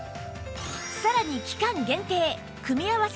さらに期間限定組み合わせ